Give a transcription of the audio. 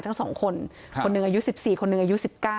ทั้งสองคนคนนึงอายุ๑๔คนนึงอายุ๑๙